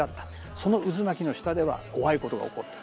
その渦巻きの下では怖いことが起こってる。